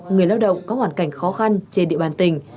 người lao động có hoàn cảnh khó khăn trên địa bàn tỉnh